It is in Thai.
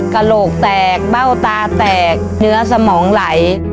กระโหลกแตกเบ้าตาแตกเนื้อสมองไหล